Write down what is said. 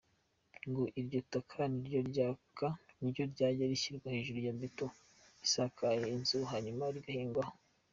Ngo iryo taka niryo ryajya rishyirwa hejuru ya beto isakaye inzu hanyuma bugahingwaho.